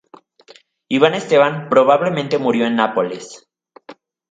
Iván Esteban probablemente murió en Nápoles.